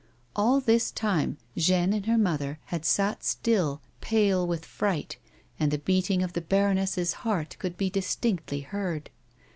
All this time Jeanne and her mother had sat still, pale with fright, and the beating of the baroness's heart could be distinctly heard.